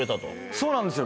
そうなんですよ